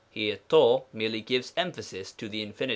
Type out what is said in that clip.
Here to merely gives emphasis to the Infin.